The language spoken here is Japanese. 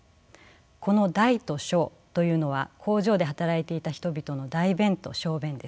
この大と小というのは工場で働いていた人々の大便と小便です。